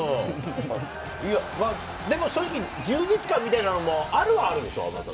でも正直、充実感みたいなのもあるのはあるでしょ？